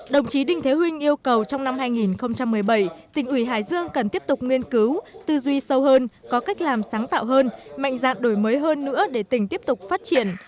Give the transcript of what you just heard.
đồng chí đinh thế hưng yêu cầu trong năm hai nghìn một mươi bảy tỉnh ủy hải dương cần tiếp tục nghiên cứu tư duy sâu hơn có cách làm sáng tạo hơn mạnh dạng đổi mới hơn nữa để tỉnh tiếp tục phát triển